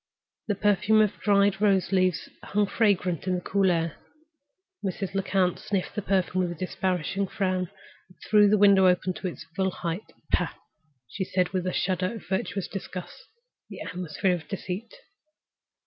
The perfume of dried rose leaves hung fragrant on the cool air. Mrs. Lecount sniffed the perfume with a disparaging frown and threw the window up to its full height. "Pah!" she said, with a shudder of virtuous disgust, "the atmosphere of deceit!"